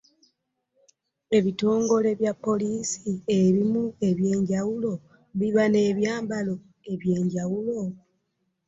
Ebitongole bya poliisi ebimu eby’enjawulo biba ne ebyambalo ebyenjawulo.